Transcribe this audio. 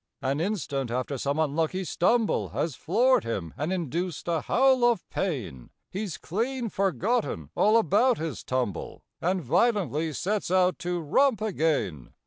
An instant after some unlucky stumble Has floored him and induced a howl of pain, He's clean forgotten all about his tumble And violently sets out to romp again.